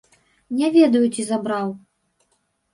Не ведаю, ці забраў.